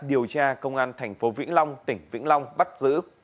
điều tra công an thành phố vĩnh long tỉnh vĩnh long bắt giữ